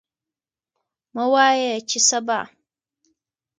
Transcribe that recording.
مه وایئ چې سبا.